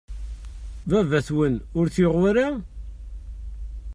Baba-twen ur t-yuɣ wara?